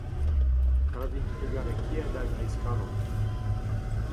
Ra vint trugarekaet a-greiz-kalon.